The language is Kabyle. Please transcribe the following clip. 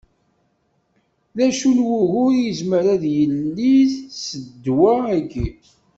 D acu n wugur i yezmer ad d-yili s ddwa-agi?